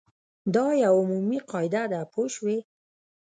دا یوه عمومي قاعده ده پوه شوې!.